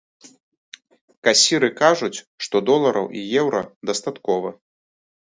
Касіры кажуць, што долараў і еўра дастаткова.